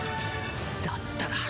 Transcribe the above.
だったら